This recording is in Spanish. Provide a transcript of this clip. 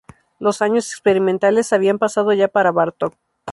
Los años experimentales habían pasado ya para Bartok.